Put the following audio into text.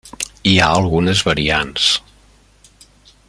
Hi ha algunes variants.